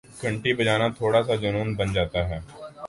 گھنٹی بجانا تھوڑا سا جنون بن جاتا ہے